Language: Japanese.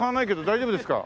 大丈夫ですか。